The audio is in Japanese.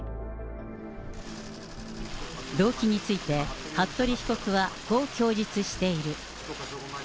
動機について、服部被告はこう供述している。